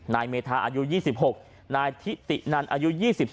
นายเมธาอายุ๒๖นายทิตินันอายุ๒๓